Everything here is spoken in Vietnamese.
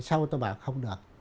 sau đó tôi bảo không được